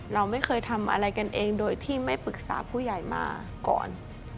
เราไม่เคยทำอะไรกันเองโดยที่ไม่ปรึกษาผู้ใหญ่มาก่อน